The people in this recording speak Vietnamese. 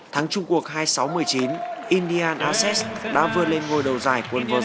thắng trung quốc hai sáu một mươi chín indian assets đã vượt lên ngôi đầu giải quân vượt